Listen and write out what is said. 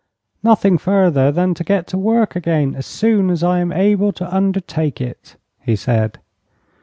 "Nothing further than to get to work again as soon as I am able to undertake it," he said.